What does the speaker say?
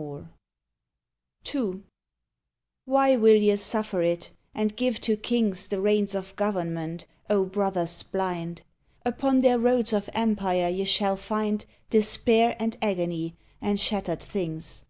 127 ON THE GREAT WAR II Why will ye suffer it, and give to kings The reins of government, O brothers blind? Upon their roads of empire ye shall find Despair and agony and shattered things.